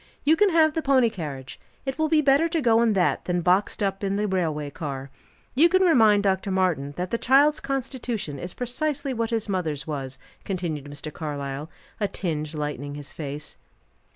You can have the pony carriage, it will be better to go in that than boxed up in the railway carriage. You can remind Dr. Martin that the child's constitution is precisely what his mother's was," continued Mr. Carlyle, a tinge lightening his face.